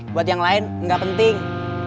buat yang lain nggak penting